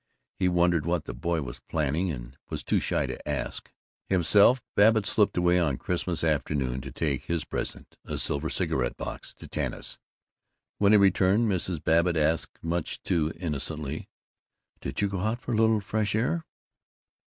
He wondered what the boy was planning, and was too shy to ask. Himself, Babbitt slipped away on Christmas afternoon to take his present, a silver cigarette box, to Tanis. When he returned Mrs. Babbitt asked, much too innocently, "Did you go out for a little fresh air?"